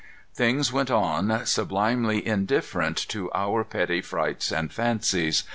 Things went on, sublimely indifferent to our petty frights and fancies.